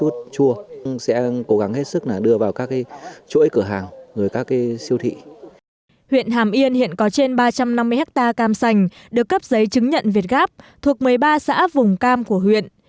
trên ba trăm năm mươi hectare cam sành được cấp giấy chứng nhận việt gáp thuộc một mươi ba xã vùng cam của huyện